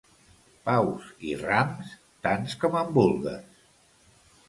Paus i rams, tants com en vulgues.